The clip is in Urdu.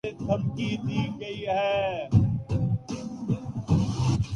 آسانی سے گھبرا جاتا ہوں